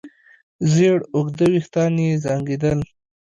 زېړ اوږده وېښتان يې زانګېدل.